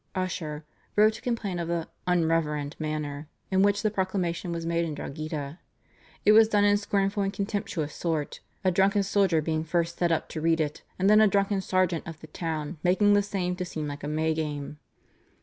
Ussher wrote to complain of the "unreverend manner" in which the proclamation was made in Drogheda. "It was done in scornful and contemptuous sort, a drunken soldier being first set up to read it, and then a drunken sergeant of the town, making the same to seem like a May game."